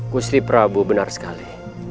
gusti prabu benar sekali